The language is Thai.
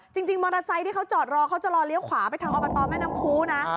จริงมอเตอร์ไซค์ที่เขาจอดรอเขาจะรอเลี้ยวขวาไปทางอบตแม่น้ำคู้นะ